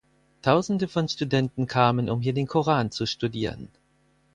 Tausende von Studenten kamen, um hier den Koran zu studieren.